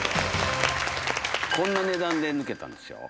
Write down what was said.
こんな値段で抜けたんですよ。